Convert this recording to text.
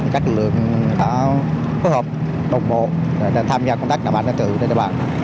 các lực lượng đã phối hợp đồng bộ tham gia công tác nơi bàn anh đã trở thành nơi bàn